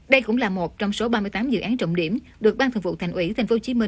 đây cũng là một trong số ba mươi tám dự án trọng điểm được ban thực vụ thành ủy tp hcm